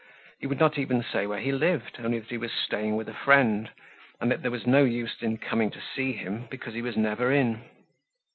He would not even say where he lived, only that he was staying with a friend and there was no use in coming to see him because he was never in.